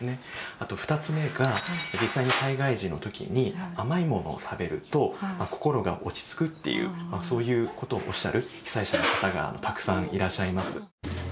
あと２つ目が実際に災害時の時に甘いものを食べると心が落ち着くっていうそういうことをおっしゃる被災者の方がたくさんいらっしゃいます。